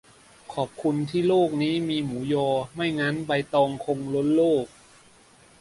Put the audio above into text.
ขอบคุณที่โลกนี้มีหมูยอ ไม่งั้นใบตองคงล้นโลก